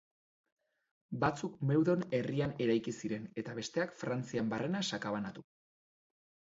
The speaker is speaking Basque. Batzuk Meudon herrian eraiki ziren, eta besteak Frantzian barrena sakabanatu.